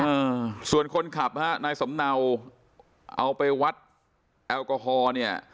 อ่าส่วนคนขับฮะนายสำเนาเอาไปวัดแอลกอฮอล์เนี่ย